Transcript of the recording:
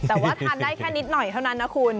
แต่ว่าทานได้แค่นิดหน่อยเท่านั้นนะคุณ